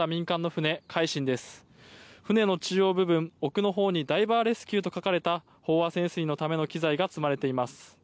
船の中央部分、奥のほうにダイバーレスキューと書かれた飽和潜水のための機材が積まれています。